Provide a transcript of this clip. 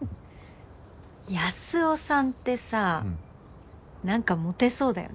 安生さんってさ何かモテそうだよね。